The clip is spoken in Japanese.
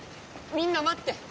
みんな待って！